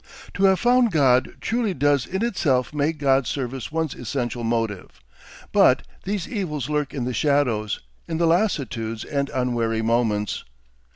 To have found God truly does in itself make God's service one's essential motive, but these evils lurk in the shadows, in the lassitudes and unwary moments.